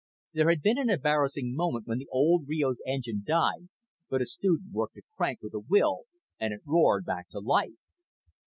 There had been an embarrassing moment when the old Reo's engine died, but a student worked a crank with a will and it roared back to life.